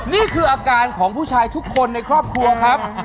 นี่คืออาการของผู้ชายทุกคนในครอบครัวครับ